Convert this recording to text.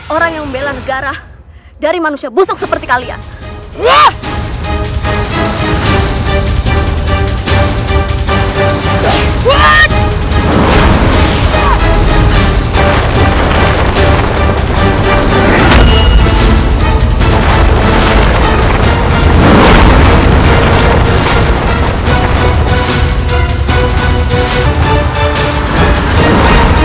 orang yang membela negara dari manusia busuk seperti kalian